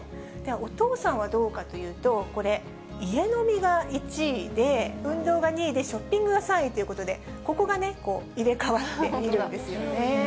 お父さんはどうかというと、これ、家飲みが１位で、運動が２位で、ショッピングが３位ということで、ここがね、入れ替わっているんですよね。